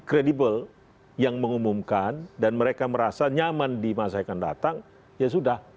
kredibel yang mengumumkan dan mereka merasa nyaman di masa yang akan datang ya sudah